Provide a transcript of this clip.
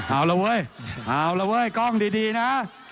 เอาละเว้ยเอาละเว้ยกล้องดีนะ